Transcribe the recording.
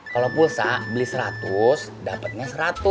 kalau pulsa beli seratus dapatnya seratus